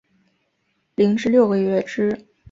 零至六个月之